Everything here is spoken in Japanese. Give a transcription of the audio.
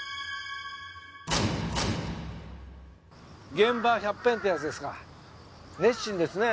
現場百遍ってやつですか熱心ですね。